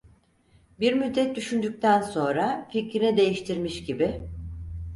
Bir müddet düşündükten sonra fikrini değiştirmiş gibi: